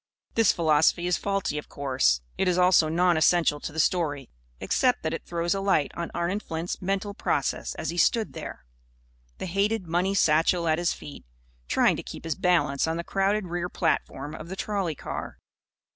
This philosophy is faulty, of course. It is also non essential to the story; except that it throws a light on Arnon Flint's mental processes as he stood there, the hated money satchel at his feet, trying to keep his balance on the crowded rear platform of the trolley car.